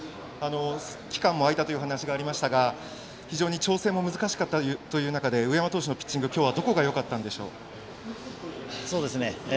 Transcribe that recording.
期間も開いたというお話がありましたが非常に調整も難しかったという中で上山投手のピッチングはきょうはどこがよかったのでしょう。